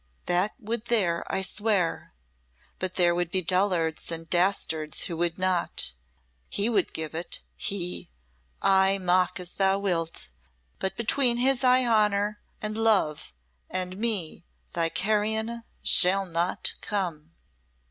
"That would there, I swear! But there would be dullards and dastards who would not. He would give it he! Ay, mock as thou wilt! But between his high honour and love and me thy carrion shall not come!"